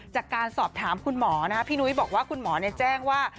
จากการสอบถามคุณหมอนะฮะพี่นุ้ยบอกว่าคุณหมอแจ้งว่า